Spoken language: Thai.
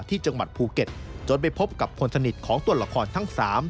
ที่จังหวัดภูเก็ตจนไปพบกับคนสนิทของตัวละครทั้ง๓